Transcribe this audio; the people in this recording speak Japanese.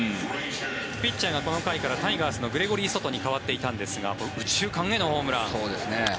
ピッチャーがこの回からタイガースのグレゴリー・ソトに代わっていたんですが右中間へのホームラン。